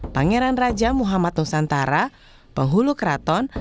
pangeran raja muhammad nusantara penghulu keraton